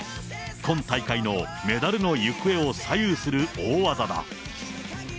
今大会のメダルの行方を左右する大技だ。